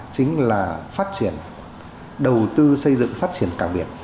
chính là phát triển đầu tư xây dựng phát triển cảng biển